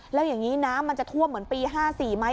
แล้วอย่างนี้น้ำมันจะท่วมเหมือนปี๕๔ไหม